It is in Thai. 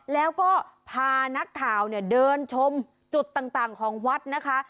แล้วก็พานักข่าวเนี่ยเดินชมจุดต่างของวัดนะคะ